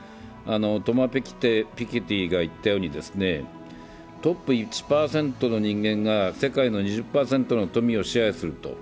トマ・ピケティが言ったように、トップ１％の人間が世界２０％の民を支配すると。